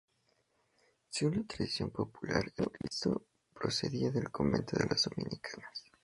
Según la tradición popular, el Cristo procedía del Convento de las Dominicas.